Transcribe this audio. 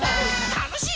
たのしい